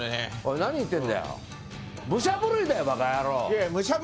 何言ってるんだよ。